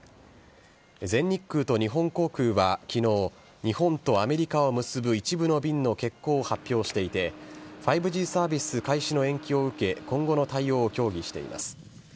全日空と日本航空はきのう、日本とアメリカを結ぶ一部の便の欠航を発表していて、５Ｇサービス開始の延期を受け、今後の対応を協議しています